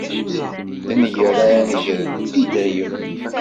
D nnger ara negren, i dayem.